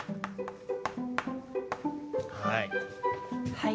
はい。